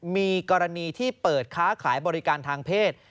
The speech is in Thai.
มีกรณีที่เปิดค้าขายบริการทางเพศ